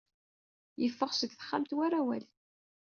Yeffeɣ seg texxamt war awal.